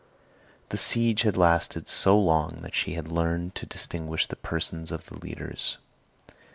The siege had lasted so long that she had learned to distinguish the persons of the leaders.